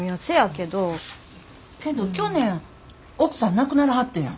けど去年奥さん亡くなりはったやん。